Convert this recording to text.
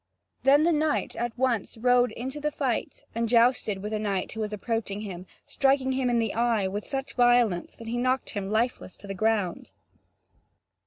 Then the knight at once rode into the fight and jousted with a knight who was approaching him, striking him in the eye with such violence that he knocked him lifeless to the ground.